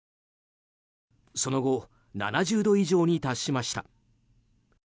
その後、７０度以上に達しました。